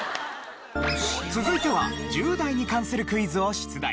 続いては１０代に関するクイズを出題。